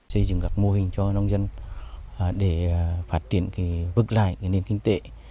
xây dựng các mô hình cho nông dân để phát triển bước lại nền kinh tế